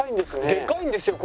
でかいんですよ